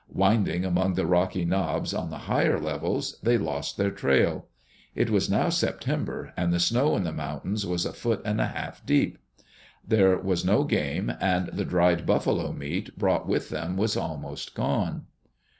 Winding among the rocky knobs, on the higher levels, they lost their trail. It was now September, and the snow in the mountains was a foot and a half deep. There was no game, and the dried buffalo meat brought with them was almost gone.